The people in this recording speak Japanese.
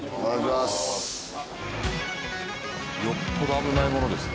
よっぽど危ないものですね。